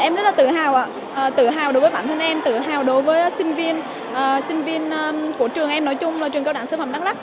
em rất là tự hào tự hào đối với bản thân em tự hào đối với sinh viên sinh viên của trường em nói chung là trường cao đẳng sư phạm đắk lắc